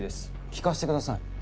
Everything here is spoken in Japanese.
聞かせてください。